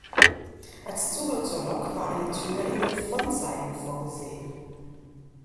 Als Zugang zur Lok war eine Tür in den Frontseiten vorgesehen.